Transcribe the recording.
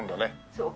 そう。